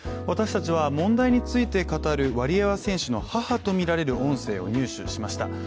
私たちは問題について語るワリエワ選手の母とみられる音声を入手しました。